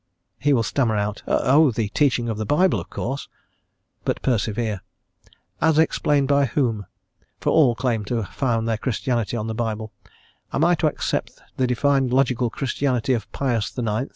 He will stammer out, "Oh, the teaching of the Bible, of course." But persevere: "As explained by whom? for all claim to found their Christianity on the Bible: am I to accept the defined logical Christianity of Pius IX.